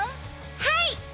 はい！